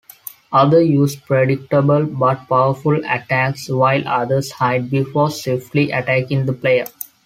Others use predictable but powerful attacks, while others hide before swiftly attacking the player.